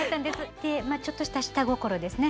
でまあちょっとした下心ですね。